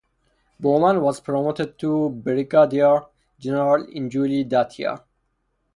Bowman was promoted to brigadier general in July that year.